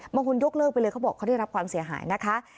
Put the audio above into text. ยกเลิกไปเลยเขาบอกเขาได้รับความเสียหายนะคะ